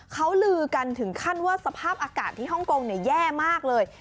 เขาลือกันถึงขั้นว่าสภาพอากาศที่ฮ่องกงแย่มากเลย